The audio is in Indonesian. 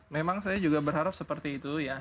memang saya juga berharap seperti itu ya